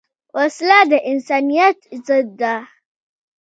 وسله د انسانیت ضد ده